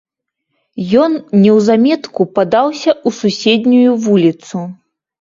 Ён неўзаметку падаўся ў суседнюю вуліцу.